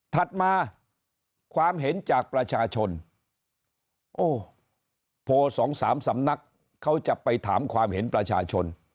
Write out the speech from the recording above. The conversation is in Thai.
ถัดมาความเห็นจากประชาชนโอ้โพลสองสามสำนักเขาจะไปถามความเห็นประชาชน